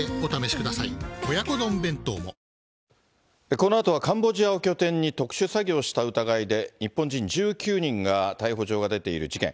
このあとはカンボジアを拠点に特殊詐欺をした疑いで、日本人１９人が逮捕状が出ている事件。